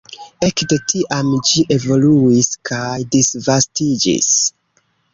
Ekde tiam ĝi evoluis kaj disvastiĝis.